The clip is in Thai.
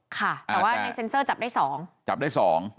แต่ว่าเซ็นเซอร์จับได้๒